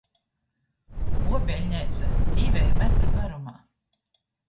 Uobeļneica — diveju metru garumā.